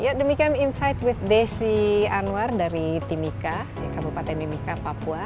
ya demikian insight with desi anwar dari timika kabupaten timika papua